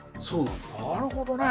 なるほどね。